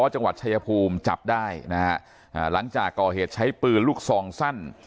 จังหวัดชายภูมิจับได้นะฮะอ่าหลังจากก่อเหตุใช้ปืนลูกซองสั้น